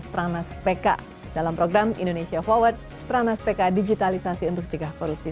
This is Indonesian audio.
pranas pk dalam program indonesia forward stranas pk digitalisasi untuk cegah korupsi